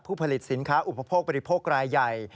ผลิตสินค้าอุปโภคบริโภครายใหญ่